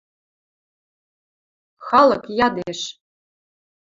Халык ядеш!